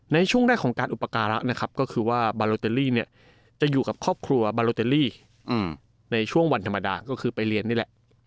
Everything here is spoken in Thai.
ในช่วงแรกของการอุปการะนะครับก็คือว่าบาโลเตอรี่เนี่ยจะอยู่กับครอบครัวบาโลเตอรี่ในช่วงวันธรรมดาก็คือไปเรียนนี่แหละ